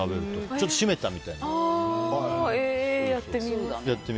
ちょっと絞めたみたいになって。